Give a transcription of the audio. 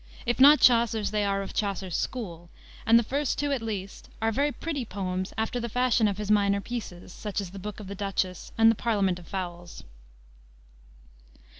If not Chaucer's, they are of Chaucer's school, and the first two, at least, are very pretty poems after the fashion of his minor pieces, such as the Boke of the Duchesse and the Parlament of Foules.